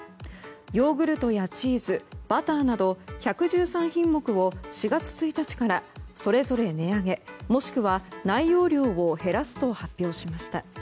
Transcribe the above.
ヨーグルトやチーズバターなど１１３品目を４月１日からそれぞれ値上げもしくは内容量を減らすと発表しました。